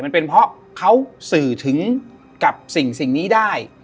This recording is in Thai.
มันเป็นเพราะเขาสื่อถึงกับสิ่งนี้ได้